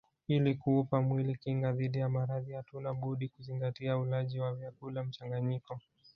Ili kuupa mwili kinga dhidi ya maradhi hatuna budi kuzingatia ulaji wa vyakula mchanganyiko